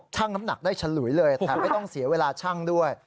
น้ำหนักได้ฉลุยเลยแถมไม่ต้องเสียเวลาชั่งด้วย